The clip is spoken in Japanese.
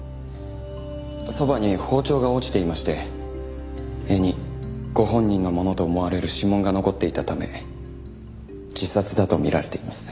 そばに包丁が落ちていまして柄にご本人のものと思われる指紋が残っていたため自殺だと見られています。